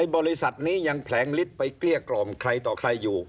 บริษัทนี้ยังแผลงฤทธิ์ไปเกลี้ยกล่อมใครต่อใครอยู่